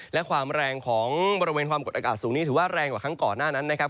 และความแรงของบริเวณความกดอากาศสูงนี้ถือว่าแรงกว่าครั้งก่อนหน้านั้นนะครับ